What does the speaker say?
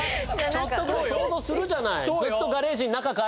ちょっとぐらい想像するじゃない。